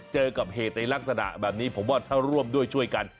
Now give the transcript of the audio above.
เจอกับเหตุในลักษณะแบบนี้ผมว่าถ้าร่วมด้วยช่วยกัน